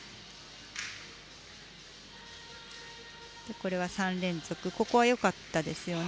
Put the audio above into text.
これは３連続ここはよかったですよね。